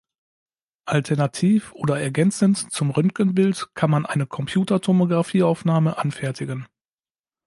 Alternativ oder ergänzend zum Röntgenbild kann man eine Computertomografie-Aufnahme anfertigen.